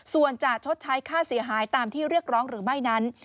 ส่วนจะชดใช้ค่าเสียหายตามที่เรียกร้องหรือไม่นั้น